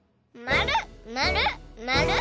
まる。